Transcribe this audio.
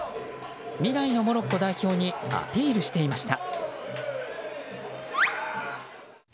未来のモロッコ代表にアピールしていました。